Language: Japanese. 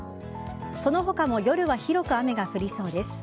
その他も夜は広く雨が降りそうです。